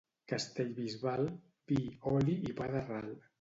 Castellbisbal, vi, oli i pa de ral.